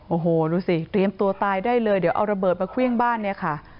โอ้โหดูสิเตรียมตัวตายได้เลยเดี๋ยวเอาระเบิดมาเครื่องบ้านเนี่ยค่ะ